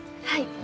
はい。